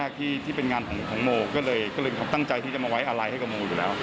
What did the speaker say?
พบภูมิหน้าหรือภูมิหน้าอะไรอย่างนี้